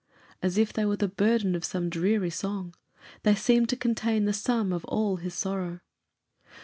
as if they were the burden of some dreary song. They seemed to contain the sum of all his sorrow.